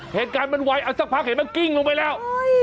เหตุการณ์มันไวเอาสักพักเห็นไหมกิ้งลงไปแล้ว